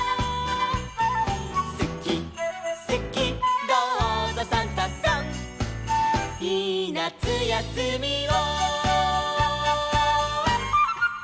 「すきすきどうぞサンタさん」「いいなつやすみを」